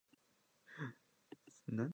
肝腎の洒落の方はさっぱりぴんと来ないことになる